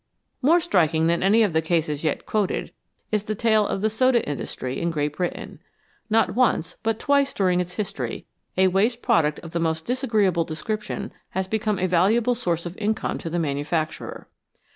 More striking than any of the cases yet quoted is the tale of the soda industry in Great Britain. Not once, but twice during its history, a waste product of the most disagreeable description has become a valuable source of income to the manufacturer.